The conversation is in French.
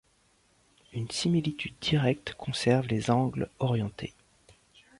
Une similitude directe conserve les angles orientés.